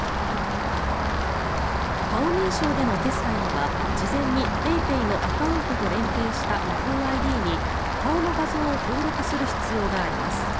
顔認証での決済には事前に、ＰａｙＰａｙのアカウントと連携したヤフーＩＤに、顔の画像を登録する必要があります。